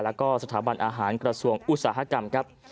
แล้วก็สถาบันอาหารกระทรวงอุตสาหกรรมครับ